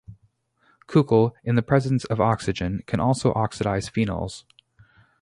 CuCl, in the presence of oxygen, can also oxidize phenols.